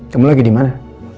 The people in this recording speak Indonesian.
kamu lagi di mana